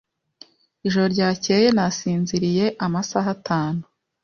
Ijoro ryakeye nasinziriye amasaha atanu.